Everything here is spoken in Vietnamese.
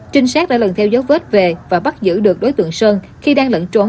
trinh sát đã lần theo dấu vết về và bắt giữ được đối tượng sơn khi đang lẫn trốn